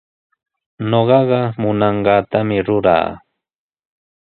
Ñuqaqa munanqaatami ruraa.